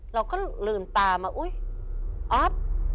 เราก็ลืมตามาอุ๊ยออฟ